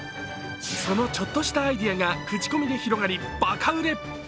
そのちょっとしたアイデアが口コミで広がり、ばか売れ。